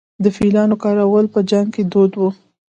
د فیلانو کارول په جنګ کې دود و